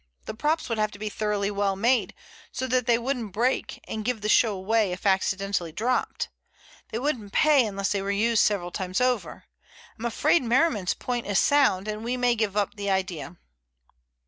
The props would have to be thoroughly well made, so that they wouldn't break and give the show away if accidentally dropped. They wouldn't pay unless they were used several times over. I'm afraid Merriman's point is sound, and we may give up the idea."